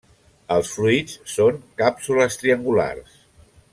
Els fruits són càpsules triangulars.